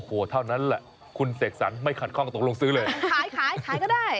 โอ้โหเท่านั้นแหละคุณเสกสรรไม่ขัดข้องตกลงซื้อเลยขายขายขายขายก็ได้